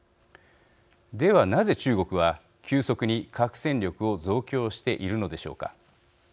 では、なぜ中国は急速に核戦力を増強しているのでしょうか。